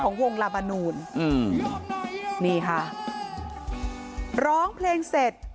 วงลาบานูนอืมนี่ค่ะร้องเพลงเสร็จ